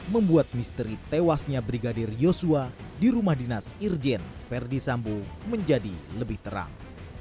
membuat misteri tewasnya brigadir yosua di rumah dinas irjen verdi sambo menjadi lebih terang